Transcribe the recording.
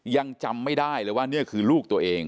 ยังจำไม่ได้เลยว่านี่คือลูกตัวเอง